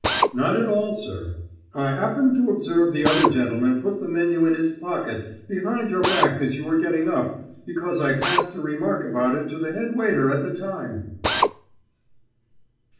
"Not at all, sir. I 'appened to observe the other gentleman put the menu in his pocket, behind your back as you were getting up, because I passed a remark about it to the head waiter at the time!"